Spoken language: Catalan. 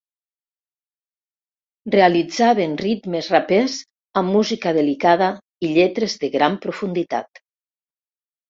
Realitzaven ritmes rapers amb música delicada i lletres de gran profunditat.